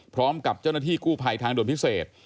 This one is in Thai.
พร้อมกับเจ้าหน้าที่กู้ภัยทางด่วนพิเศษ